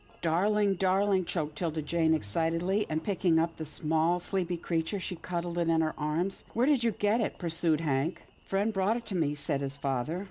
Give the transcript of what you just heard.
" Darling, darling," choked 'Tilda Jane excitedly, and, picking up the small, sleepy creature, she cud dled it in her arms. *' Where did you get it? " pursued Hank. " Friend brought it to me," said his father.